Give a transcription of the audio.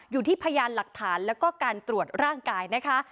อยู่ที่พยานหลักฐานแล้วก็การตรวจร่างกายนะคะ